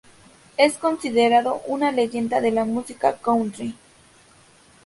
Es considerado una leyenda de la música country.